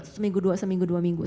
seminggu dua minggu